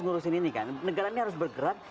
ngurusin ini kan negara ini harus bergerak